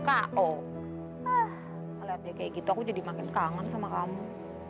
kau sampe gitu aku jadi makin kangen sama kamu